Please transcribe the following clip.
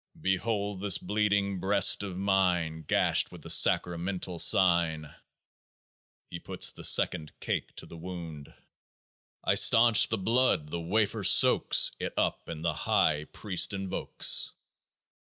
Behold this bleeding breast of mine Gashed with the sacramental sign ! He puts the second Cake to the wound. I stanch the blood ; the wafer soaks It up, and the high priest invokes